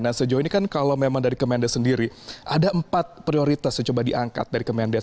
nah sejauh ini kan kalau memang dari kemendes sendiri ada empat prioritas yang coba diangkat dari kemendes